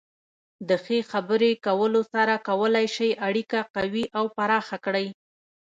د ښې خبرې کولو سره کولی شئ اړیکه قوي او پراخه کړئ.